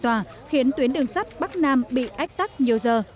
nguyên nhân vụ này là một lý do khiến tuyến đường sắt bắc nam bị ách tắt nhiều giờ